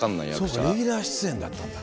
そうかレギュラー出演だったんだ。